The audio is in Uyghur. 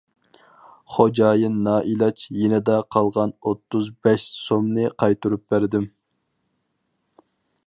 خوجايىن نائىلاج يېنىدا قالغان ئوتتۇز بەش سومنى قايتۇرۇپ بەردىم.